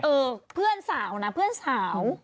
เออเพื่อนสาวนะเพื่อนสาว